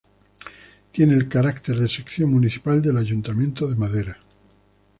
Tiene el carácter de sección municipal del ayuntamiento de Madera.